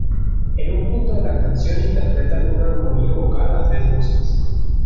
En un punto de la canción, interpretan una armonía vocal a tres voces.